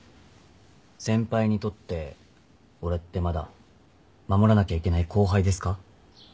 先輩にとって俺ってまだ守らなきゃいけない後輩ですか？